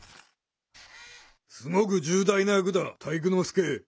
すごく重大なやくだ体育ノ介。